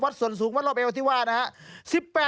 ส่วนสูงวัดรอบเอวที่ว่านะฮะ